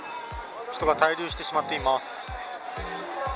人が滞留してしまっています。